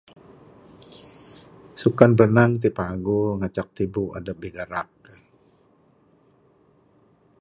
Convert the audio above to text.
Sukan biranang ti paguh, ngancak tibu adep ti bigarak.